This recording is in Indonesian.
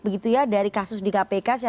begitu ya dari kasus di kpk